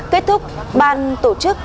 kết thúc ban tổ chức